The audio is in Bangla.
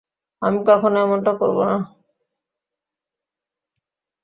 আমি কখনো এমনটা করবো না!